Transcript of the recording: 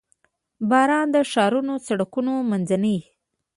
• باران د ښارونو سړکونه مینځي.